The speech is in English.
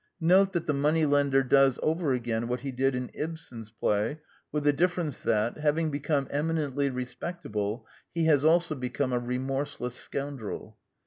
Note that the moneylender does over again what he did in Ibsen's play, with the difference that, having become eminently respectable, he has also become a remorseless scoundrel.